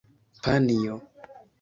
panjo